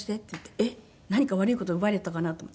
えっ何か悪い事バレたかな？と思って。